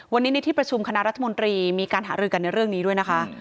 วันนี้ในที่ประชุมคณะรัฐมนตรีมีการหารือกันในเรื่องนี้ด้วยนะคะ